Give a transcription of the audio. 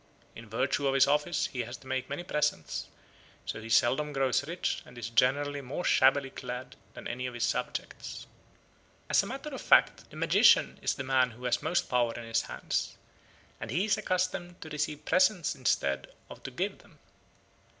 In virtue of his office he has to make many presents, so he seldom grows rich and is generally more shabbily clad than any of his subjects. "As a matter of fact the magician is the man who has most power in his hands, and he is accustomed to receive presents instead of to give them."